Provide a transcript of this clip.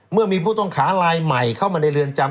เมื่อมีผู้ต้องขาลายใหม่เข้ามาในเรือนจำ